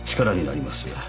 力になります」